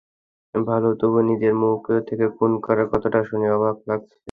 ভালো তবুও নিজের মুখ থেকে খুন করার কথাটা শুনে অবাক লাগছে।